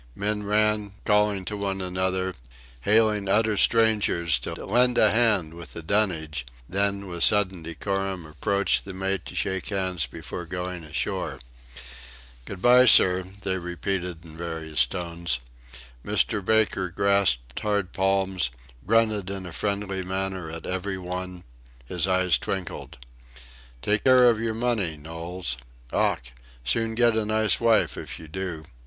Men ran, calling to one another, hailing utter strangers to "lend a hand with the dunnage," then with sudden decorum approached the mate to shake hands before going ashore. "Good bye, sir," they repeated in various tones. Mr. Baker grasped hard palms, grunted in a friendly manner at every one, his eyes twinkled. "Take care of your money, Knowles. Ough! Soon get a nice wife if you do."